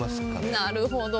なるほど。